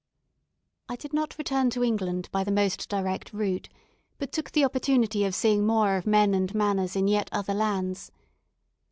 I did not return to England by the most direct route, but took the opportunity of seeing more of men and manners in yet other lands.